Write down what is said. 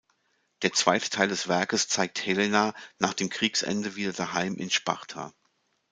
Der zweite Teil des Werkes zeigt Helena nach dem Kriegsende wieder daheim in Sparta.